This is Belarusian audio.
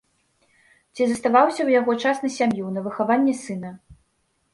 Ці заставаўся ў яго час на сям'ю, на выхаванне сына?